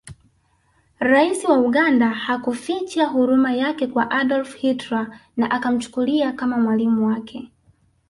Rais wa Uganda hakuficha huruma yake kwa Adolf Hitler na akamchukulia kama mwalimu wake